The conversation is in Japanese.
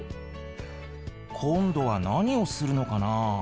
今度は何をするのかなあ。